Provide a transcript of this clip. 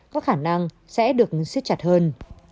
có khả năng sẽ được siết chặt hơn